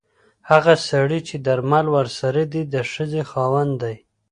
هغه سړی چې درمل ورسره دي د ښځې خاوند دی.